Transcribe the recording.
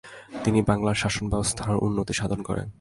তিনি বাংলার শাসনব্যবস্থার উন্নতি সাধন করেন।